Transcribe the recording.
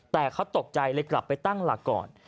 แต่เขาตกใจเลยกลับไปตั้งหลักก่อน